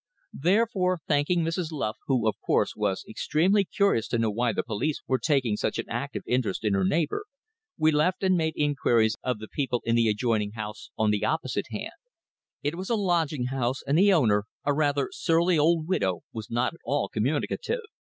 Therefore, thanking Mrs. Luff, who, of course, was extremely curious to know why the police were taking such an active interest in her neighbour, we left and made inquiries of the people in the adjoining house on the opposite hand. It was a lodging house and the owner, a rather surly old widow, was not at all communicative.